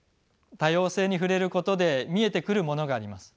多様性に触れることで見えてくるものがあります。